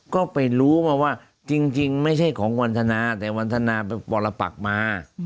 ก็ไปรู้มาว่าจริงไม่ใช่ของวันธนาแต่วันทนาไปปรปักมา